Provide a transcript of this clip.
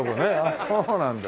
そうなんだ。